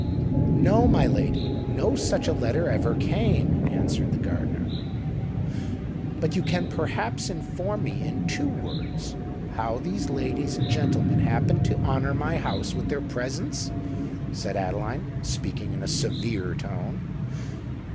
"No, my lady—no such a letter ever come," answered the gardener. "But you can perhaps inform me in two words how these ladies and gentlemen happened to honour my house with their presence?" said Adeline, speaking in a severe tone.